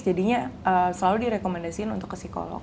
jadinya selalu direkomendasikan untuk ke psikolog